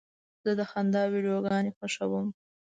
زه د خندا ویډیوګانې خوښوم.